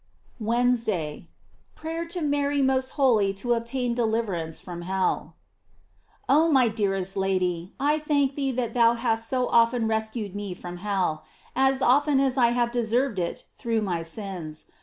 WEDNESDAY. Prayer to Mary most holy to obtain deliverance from hell. OH my dearest Lady, I thank thee that thou hast so often rescued me from hell : as often as I have deserved it through my sins.